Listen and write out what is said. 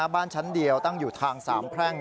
บ้านชั้นเดียวตั้งอยู่ทางสามแพร่ง